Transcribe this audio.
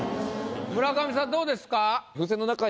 村上さんどうですか？